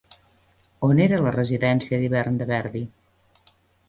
On era la residència d'hivern de Verdi?